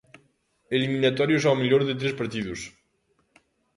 Eliminatorias ao mellor de tres partidos.